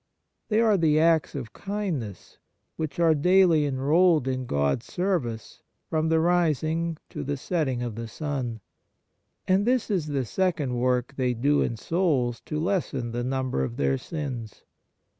They are the acts of kindness which are daily enrolled in God's service from the rising to the setting of the sun ; and this is the second work they do in souls to lessen the number of their sins.